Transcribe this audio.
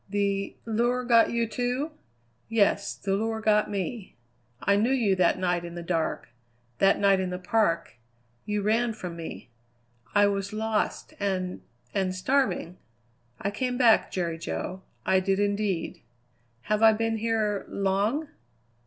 "The lure got you, too?" "Yes, the lure got me." "I knew you that night in the dark that night in the park you ran from me. I was lost and and starving!" "I came back, Jerry Jo. I did indeed." "Have I been here long?"